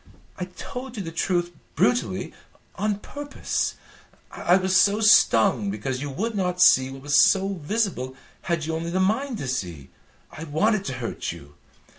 "I told you the truth brutally on purpose. I was so stung because you would not see what was so visible had you only the mind to see. I wanted to hurt you.